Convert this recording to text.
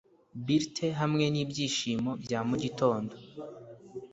Blithe hamwe nibyishimo bya mugitondo